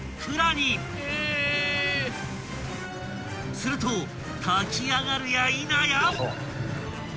［すると炊き上がるやいなや］